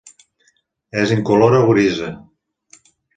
És incolora o grisa.